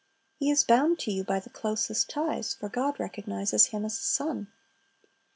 He is bound to you by the closest ties; for God recognizes him as a son.